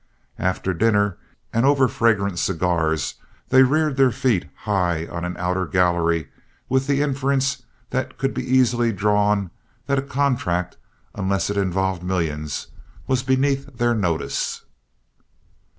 After dinner and over fragrant cigars, they reared their feet high on an outer gallery, and the inference could be easily drawn that a contract, unless it involved millions, was beneath their notice.